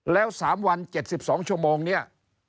แล้ว๓วัน๗๒ชั่วโมงเนี่ย